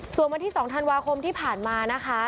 ส่วนวันที่๒ธันวาคมที่ผ่านมานะคะ